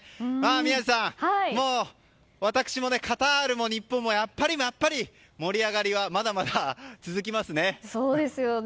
皆さん、私もカタールも日本もやっぱり盛り上がりはまだまだ続きますね。